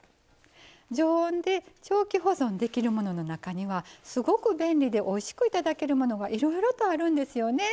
常温で長期保存できるものの中にはすごく便利でおいしくいただけるものがいろいろとあるんですよね。